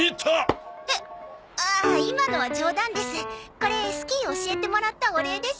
これスキー教えてもらったお礼です。